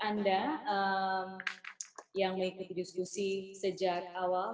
anda yang mengikuti diskusi sejak awal